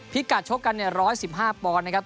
พิกัดโชคกัน๑๑๕ปอลนะครับ